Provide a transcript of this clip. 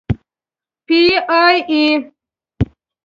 پی ای اې.